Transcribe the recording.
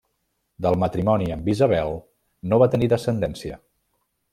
Del matrimoni amb Isabel no va tenir descendència.